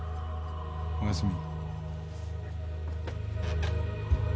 おやすみ。